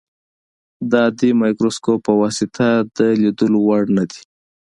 د عادي مایکروسکوپ په واسطه د لیدلو وړ نه دي.